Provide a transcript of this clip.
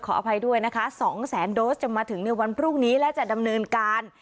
ขออภัยด้วยนะคะ๒แสนโดสจะมาถึงในวันพรุ่งนี้และจะดำเนินการ